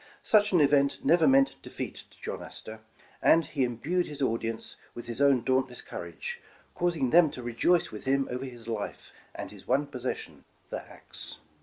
Such an event never meant defeat to John Astor, and he imbued his audience with his own dauntless cour age, causing them to rejoice with him over his life, and his one possession, — the axe.